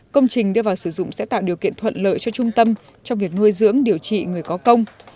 công trình đưa vào sử dụng sẽ tạo điều kiện thuận lợi cho trung tâm trong việc nuôi dưỡng điều trị người có công